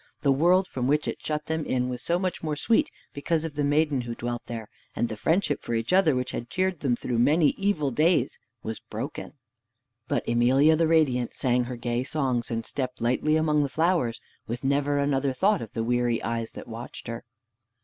The world from which it shut them in was so much more sweet because of the maiden who dwelt there, and the friendship for each other which had cheered them through many evil days was broken. But Emelia the Radiant sang her gay songs and stepped lightly among the flowers, with never another thought of the weary eyes that watched her.